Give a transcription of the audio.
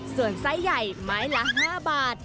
ส่วนไส้ใหญ่ไม้ละ๕บาท